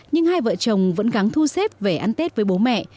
nhưng hai vợ chồng vẫn thắng thu xếp về ăn tết với bố mẹ